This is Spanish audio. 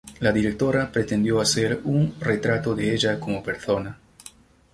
La directora pretendió hacer un retrato de ella como persona.